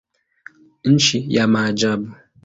Nchi ya maajabu.